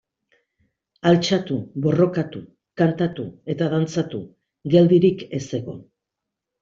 Altxatu, borrokatu, kantatu eta dantzatu, geldirik ez egon.